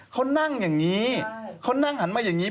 เขานั่งอย่างนี้เขานั่งหันมาอย่างนี้